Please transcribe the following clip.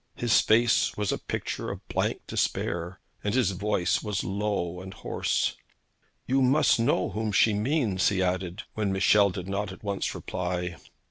His face was a picture of blank despair, and his voice was low and hoarse. 'You must know whom she means,' he added, when Michel did not at once reply.